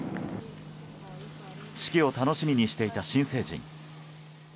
式を楽しみにしていた新成人。